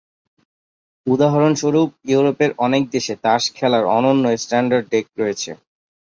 উদাহরণস্বরূপ, ইউরোপের অনেক দেশে তাস খেলার অনন্য স্ট্যান্ডার্ড ডেক রয়েছে।